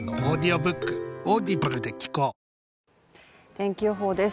天気予報です